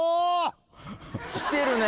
きてるね。